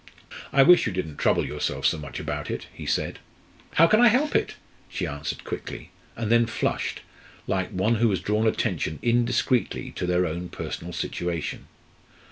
"I wish you didn't trouble yourself so much about it," he said. "How can I help it?" she answered quickly; and then flushed, like one who has drawn attention indiscreetly to their own personal situation.